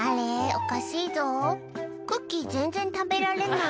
おかしいぞクッキー全然食べられない」